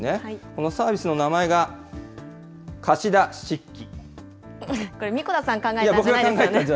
このサービスの名前が、かしだしこれ、神子田さん考えたんじ